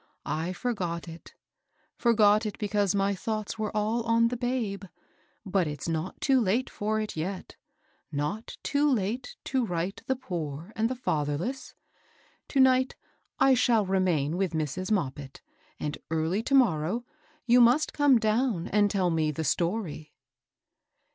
I forgot it, — forgot it because my thoughts were all on the babe ; but it's not too late for it yet, — not too late to right the poor and the fatherless. To* night I shall remain with Mrs. Moppit, and early to morrow you must come down itod tell me the story."